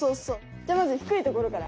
じゃあまずひくいところから。